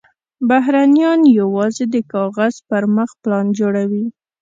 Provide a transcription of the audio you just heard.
بهرنیان یوازې د کاغذ پر مخ پلان جوړوي.